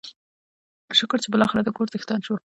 شکر چې بلاخره دکور څښتن شوم.